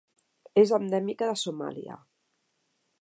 És endèmica de Somàlia.